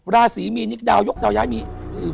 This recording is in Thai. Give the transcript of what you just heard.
ราศีมีนนิกดาวยกดาวย้ายมี